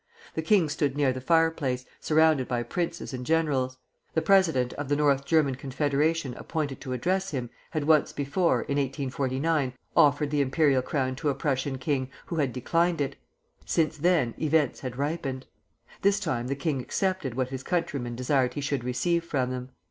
The king stood near the fireplace, surrounded by princes and generals. The president of the North German Confederation appointed to address him had once before, in 1849, offered the imperial crown to a Prussian king, who had declined it. Since then events had ripened. This time the king accepted what his countrymen desired he should receive from them.